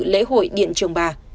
lễ hội điện trường bà